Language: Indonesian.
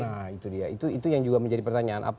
nah itu dia itu yang juga menjadi pertanyaan